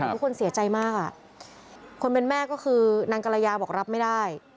ทุกคนเสียใจมากอ่ะคนเป็นแม่ก็คือนางกรยาบอกรับไม่ได้